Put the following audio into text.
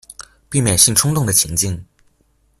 避免性衝動的情境